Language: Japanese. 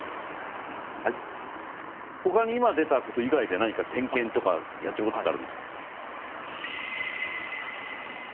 他に今出た事以外で何か点検とかやってる事ってあるんですか？